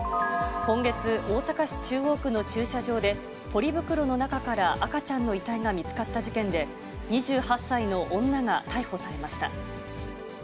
今月、大阪市中央区の駐車場で、ポリ袋の中から赤ちゃんの遺体が見つかった事件で、２８歳の女が逮捕されました。